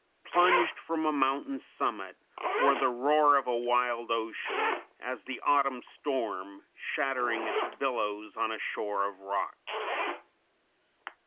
Plunged from a mountain summit, or the roar of a wild ocean, as the autumn storm, Shattering its billows on a shore of rocks."